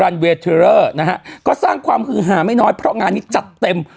นะฮะก็สร้างความคึงหาไม่น้อยเพราะงานนี้จัดเต็ม